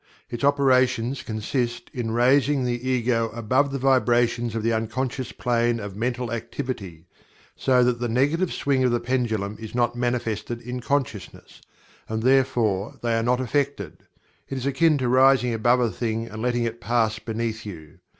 Its operations consist in the raising of the Ego above the vibrations of the Unconscious Plane of mental activity, so that the negative swing of the pendulum is not manifested in consciousness, and therefore they are not affected. It is akin to rising above a thing and letting it pass beneath you.